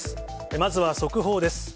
まずは速報です。